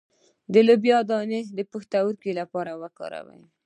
د لوبیا دانه د پښتورګو لپاره وکاروئ